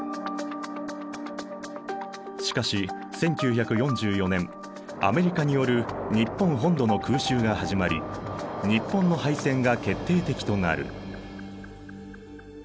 しかし１９４４年アメリカによる日本本土の空襲が始まり日本の敗戦が決定的となる。